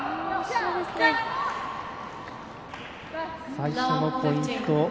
最初のポイント